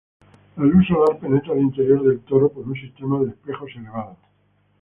La luz solar penetra al interior del toro por un sistema de espejos elevados.